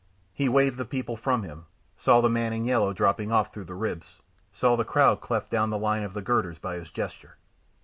He waved the people from him, saw the man in yellow dropping off through the ribs, saw the crowd cleft down the line of the girders by his gesture.